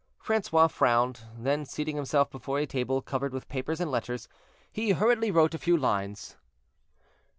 Francois frowned; then, seating himself before a table covered with papers and letters, he hurriedly wrote a few lines.